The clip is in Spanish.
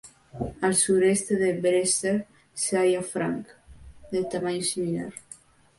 Al sureste de Brewster se halla Franck, de tamaño similar.